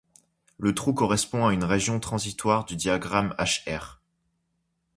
Le trou correspond à une région transitoire du diagramme H-R.